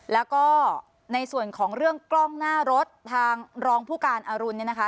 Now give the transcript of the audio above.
แล้วก็ในส่วนของเรื่องกล้องหน้ารถทางรองผู้การอรุณเนี่ยนะคะ